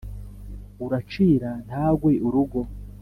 uracira ntagwe urugo